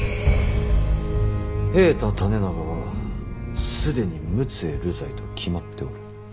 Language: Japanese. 平太胤長は既に陸奥へ流罪と決まっておる。